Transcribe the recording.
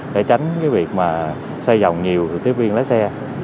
để tránh cái việc mà xoay dòng nhiều tiếp viên lái xe